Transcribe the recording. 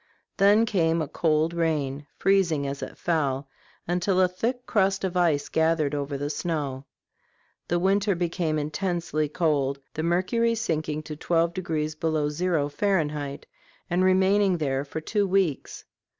Then came a cold rain, freezing as it fell, until a thick crust of ice gathered over the snow. The weather became intensely cold, the mercury sinking to twelve degrees below zero, Fahrenheit, and remaining there for two weeks.